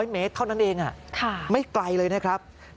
๑๐๐เมตรเท่านั้นเองอ่ะไม่ไกลเลยนะครับค่ะ